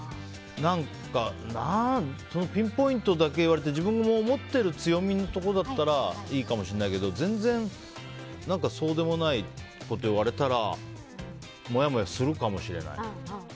ピンポイントだけ言われて自分が思っている強みのとこだったらいいかもしれないけど全然そうでもないこと言われたらモヤモヤするかもしれない。